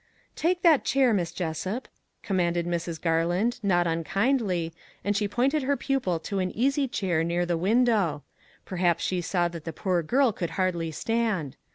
" Take that chair, Miss Jessup," commanded Mrs. Garland, not unkindly, and she pointed her pupil to an easy chair near the window; perhaps she saw that the poor girl could hardly stand.